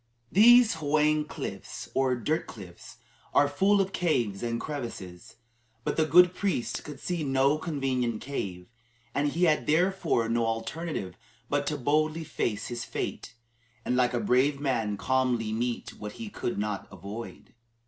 These "hwang" cliffs, or dirt cliffs, are full of caves and crevices, but the good priest could see no convenient cave, and he had therefore no alternative but to boldly face his fate, and like a brave man calmly meet what he could not avoid.